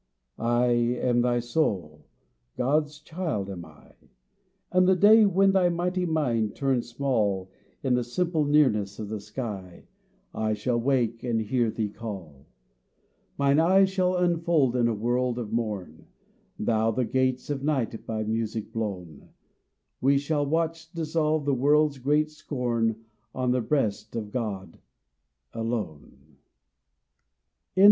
" I am thy soul, God's child am I, And the day when thy mighty mind turns small In the simple nearness of the sky, I shall wake and hear thee call. 78 TO PSYCHE " Mine eyes shall unfold in a world of morn, Through the gates of night by music blown We shall watch dissolve the world's great scorn On the breast of God, alone."